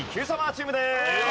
チームです。